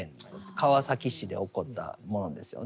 川崎市で起こったものですよね。